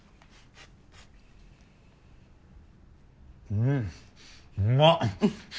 うんうまっ。